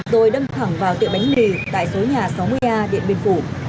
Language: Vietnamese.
rồi đâm thẳng vào tiệm bánh mì tại số nhà sáu mươi a điện biên phủ